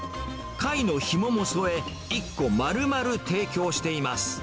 貝のひもも添え、１個まるまる提供しています。